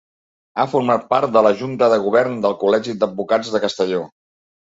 Ha format part de la Junta de Govern del Col·legi d'Advocats de Castelló.